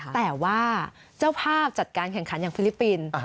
แต่ว่าเจ้าภาพจัดการแข่งขันอย่างฟิลิปปินส์